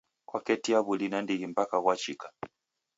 Kwaketia w'uli nandighi mpaka ghwachika.